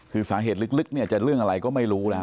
คือสาเหตุลึกเนี่ยจะเรื่องอะไรก็ไม่รู้แล้ว